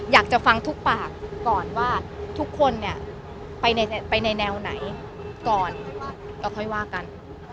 อยากจะฟังทุกปากก่อนว่าทุกคนเนี่ยไปในแนวไหนก่อนก็ค่อยว่ากัน